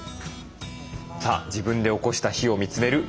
さあ自分でおこした火を見つめる今井さん。